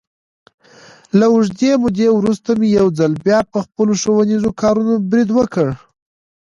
له اوږدې مودې ورسته مې یو ځل بیا، په خپلو ښوونیزو کارونو برید وکړ.